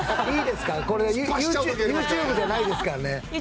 これ、ＹｏｕＴｕｂｅじゃないですからね。